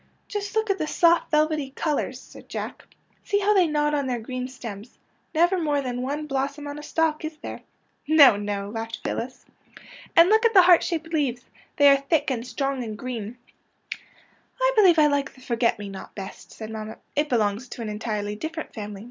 ^^ Just look at the soft, velvety colours, " said Jack. '' See how they nod on their green stems. Never more than one blossom on a stalk, is there? "^* No, no," laughed Phyllis, '' And look at 78 PANSY AND FORGET ME NOT the heart shaped leaves. They are thick and strong and green.'' " I believe I like the forget me not best,'^ said mamma. " It belongs to an entirely dif ferent family.